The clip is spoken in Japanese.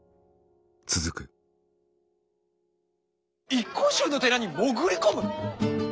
一向宗の寺に潜り込む！？